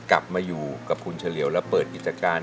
กลับมาอยู่กับคุณเฉลียวแล้วเปิดกิจการ